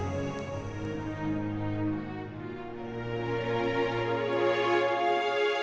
kau tidak bisa mengeluh